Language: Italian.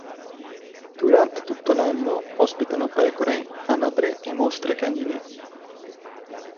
Durante tutto l'anno ospitano pecore, anatre e mostre canine.